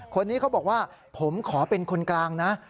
คนนี้เขาบอกว่าผมขอเป็นคนกลางนะ